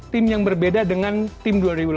tim yang berbeda dengan tim dua ribu delapan belas